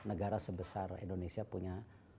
negara sebesar indonesia punya